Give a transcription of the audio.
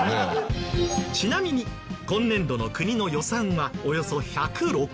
ちなみに今年度の国の予算はおよそ１０６兆円。